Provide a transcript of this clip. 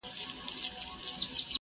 زه پرون د ښوونځی لپاره تياری کوم،